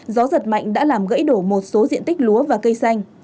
gió giật mạnh đã làm gãy đổ một số diện tích lúa và cây xanh